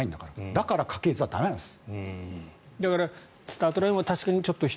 だから家系図は駄目なんです。